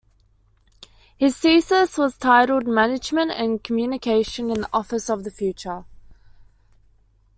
His thesis was titled Management and Communication in the Office of the Future.